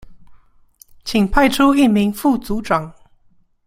請派出一名副組長